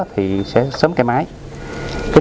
thì sẽ sớm cái máy